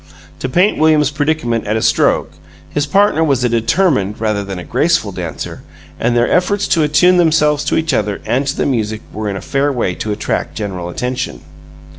To paint William's predicament at a stroke, his partner was a determined rather than a graceful dancer and their efforts to attune themselves to each other and to the music were in a fair way to attract general attention.